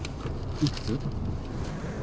いくつ？